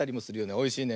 おいしいね。